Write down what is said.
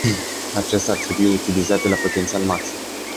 Acestea ar trebui utilizate la potențial maxim.